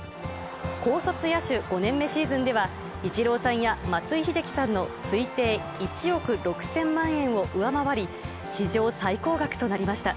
高卒野手５年目シーズンでは、イチローさんや松井秀喜さんの推定１億６０００万円を上回り、史上最高額となりました。